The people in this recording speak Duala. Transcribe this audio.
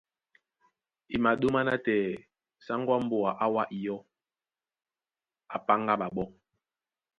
E maɗóma nátɛɛ sáŋgó á mbóa á wá ó iyɔ́, á páŋgá ɓaɓɔ́.